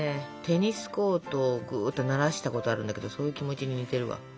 テニスコートをぐっとならしたことあるんだけどそういう気持ちに似てるわ。